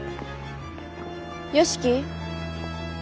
良樹？